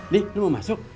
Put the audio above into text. nih lo mau masuk